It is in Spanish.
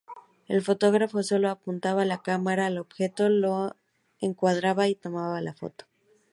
El fotógrafo solo apuntaba la cámara al objeto, lo encuadraba y tomaba la foto.